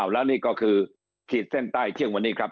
แล้วนี่ก็คือขีดเส้นใต้เที่ยงวันนี้ครับ